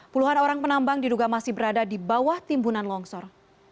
puluhan orang penambang diduga masih berada di bawah timbunan longsor